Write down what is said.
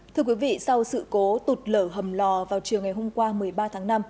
thưa quý vị sau sự cố tụt lở hầm lò vào chiều ngày hôm qua một mươi ba tháng năm